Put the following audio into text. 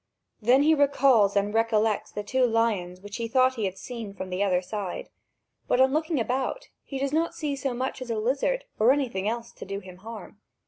Then he recalls and recollects the two lions which he thought he had seen from the other side; but, on looking about, he does not see so much as a lizard or anything else to do him harm.